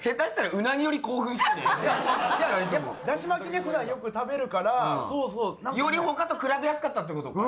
普段よく食べるからより他と比べやすかったってこと。